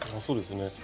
そうですね。